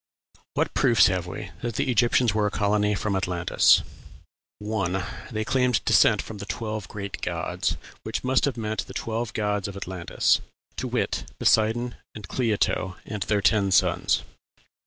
What proofs have we that the Egyptians were a colony from Atlantis? 1. They claimed descent from "the twelve great gods," which must have meant the twelve gods of Atlantis, to wit, Poseidon and Cleito and their ten sons.